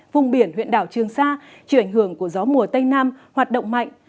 vùng biển huyện đảo trương sa chịu ảnh hưởng của gió mùa tây nam hoạt động mạnh